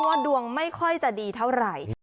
ว่าดวงไม่ค่อยจะดีเท่าไหร่